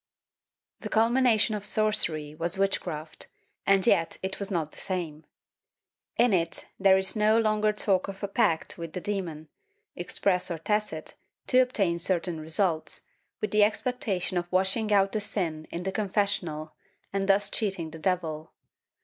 The culmination of sorcery was witchcraft and yet it was not the same. In it there is no longer talk of pact with the demon, express or tacit, to obtain certain results, with the expectation of washing out the sin in the confessional and thus cheating the devil.